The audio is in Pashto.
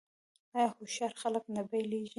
آیا هوښیار خلک نه بیلیږي؟